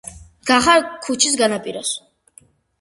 დგახარ ქუჩის განაპირას,